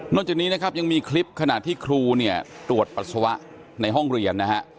จากนี้นะครับยังมีคลิปขณะที่ครูเนี่ยตรวจปัสสาวะในห้องเรียนนะฮะ